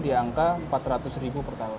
di angka empat ratus ribu per tahun